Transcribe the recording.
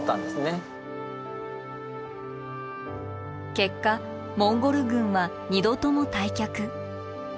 結果モンゴル軍は２度とも退却。